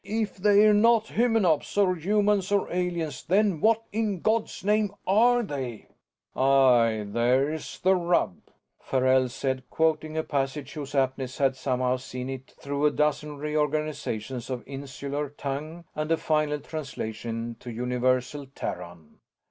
"If they're not Hymenops or humans or aliens, then what in God's name are they?" "Aye, there's the rub," Farrell said, quoting a passage whose aptness had somehow seen it through a dozen reorganizations of insular tongue and a final translation to universal Terran.